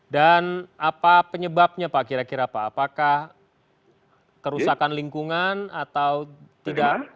dan apa penyebabnya pak kira kira pak apakah kerusakan lingkungan atau tidak